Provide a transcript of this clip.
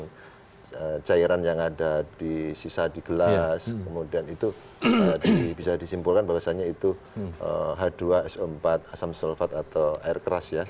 jadi cairan yang ada di sisa di gelas kemudian itu bisa disimpulkan bahwasannya itu h dua so empat asam sulfat atau air keras ya